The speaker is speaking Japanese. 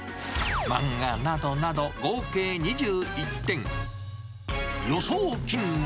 漫画などなど、合計２１点。